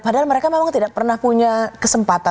padahal mereka memang tidak pernah punya kesempatan